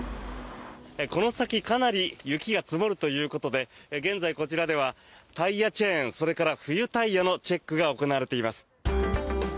この先かなり雪が積もるということで現在、こちらではタイヤチェーンそれから冬タイヤのチェックが行われています。